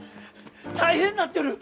大変なってる！